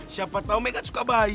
siapa tau megan suka bayi